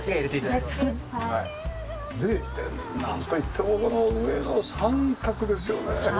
なんといってもこの上の三角ですよね。